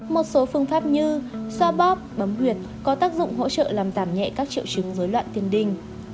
một số phương pháp như xoa bóp bấm huyệt có tác dụng hỗ trợ làm tảm nhẹ các triệu chứng rối loạn tiền đình